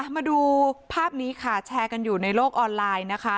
มาดูภาพนี้ค่ะแชร์กันอยู่ในโลกออนไลน์นะคะ